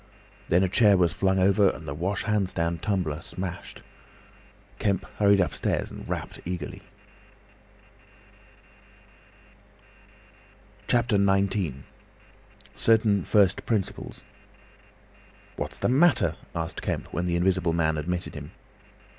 Then a chair was flung over and the wash hand stand tumbler smashed. Kemp hurried upstairs and rapped eagerly. CHAPTER XIX. CERTAIN FIRST PRINCIPLES "What's the matter?" asked Kemp, when the Invisible Man admitted him.